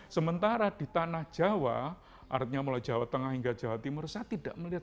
sementara di tanah jawa artinya mulai jawa tengah hingga jawa timur saya tidak melihat